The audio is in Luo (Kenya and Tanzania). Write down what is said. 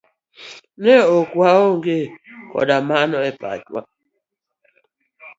Ne ok waonge koda mano e pachwa.